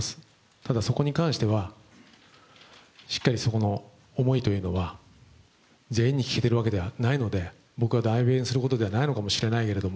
ただ、そこに関しては、しっかりそこの思いは全員にひけているわけではないので、僕は代弁することではないのかもしれないけど